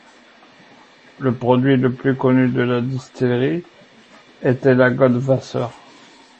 Le produit le plus connu de la distillerie était la Goldwasser.